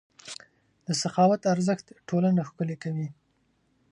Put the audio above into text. د سخاوت ارزښت ټولنه ښکلې کوي.